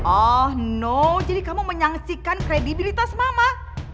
oh no jadi kamu menyaksikan kredibilitas mama